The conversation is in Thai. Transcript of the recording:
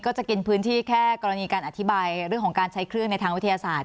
จะกินพื้นที่แค่กรณีการอธิบายเรื่องของการใช้เครื่องในทางวิทยาศาสต